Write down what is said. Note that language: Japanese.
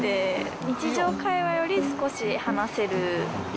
日常会話より少し話せる。